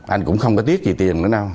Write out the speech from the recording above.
anh cũng không có tiếc gì tiền nữa đâu